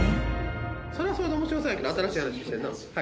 それはそれで面白そうやけど新しい話してるな。